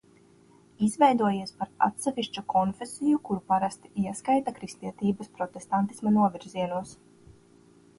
Izveidojies par atsevišķu konfesiju, kuru parasti ieskaita kristietības protestantisma novirzienos.